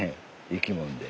生き物で。